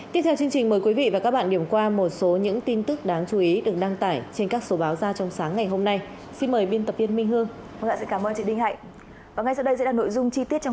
tiếp theo chương trình mời quý vị và các bạn điểm qua một số những tin tức đáng chú ý được đăng tải trên các số báo ra trong sách